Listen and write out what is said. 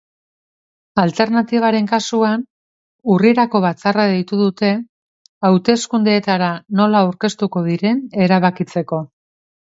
Alternatibaren kasuan, urrirako batzarra deitu dute hauteskundeetara nola aurkeztuko diren erabakitzeko.